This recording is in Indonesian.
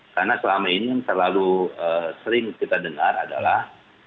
karena selama ini yang terlalu sering kita dengar adalah